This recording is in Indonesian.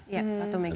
ya patung megalit